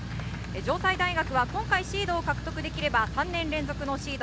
城西大は今回シードを獲得できれば３年連続のシード。